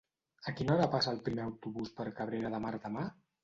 A quina hora passa el primer autobús per Cabrera de Mar demà?